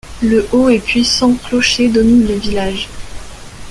Le haut et puissant clocher domine le village.